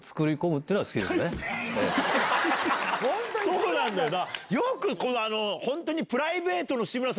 そうなんだよな。